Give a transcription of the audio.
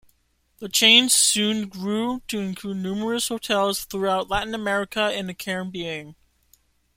The chain soon grew to include numerous hotels throughout Latin America and the Caribbean.